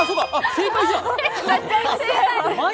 正解じゃん！